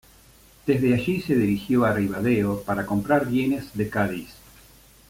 Desde allí se dirigió a Ribadeo para comprar bienes de Cádiz.